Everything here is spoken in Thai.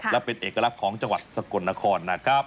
และเป็นเอกลักษณ์ของจังหวัดสกลนครนะครับ